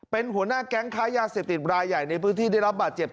เป็นหัวหน้าแก๊งค้ายาเสพติดรายใหญ่ในพื้นที่ได้รับบาดเจ็บ